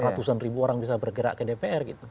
ratusan ribu orang bisa bergerak ke dpr gitu